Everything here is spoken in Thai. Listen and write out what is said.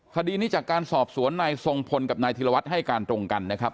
คดีนี้จากการสอบสวนนายทรงพลกับนายธิรวัตรให้การตรงกันนะครับ